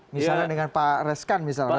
misalnya dengan pak reskan misalnya